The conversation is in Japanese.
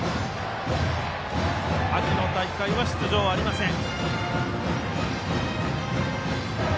秋の大会は出場がありません。